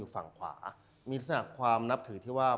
ว่าพระพิราบความนับถือที่ว่า